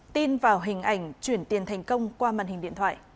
tin vào hình ảnh chuyển tiền thành công qua màn hình điện thoại